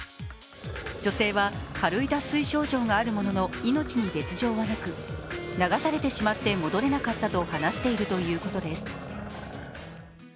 女性は軽い脱水症状があるものの命に別状はなく、流されてしまって戻れなかったと話しているということです。